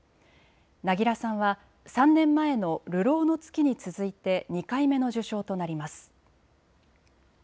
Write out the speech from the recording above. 凪良さんは３年前の流浪の月に続いて２回目の受賞となります。